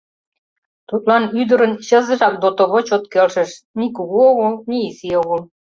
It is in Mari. Тудлан ӱдырын чызыжак дотово чот келшыш: ни кугу огыл, ни изи огыл.